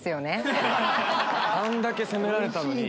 あんだけ責められたのに。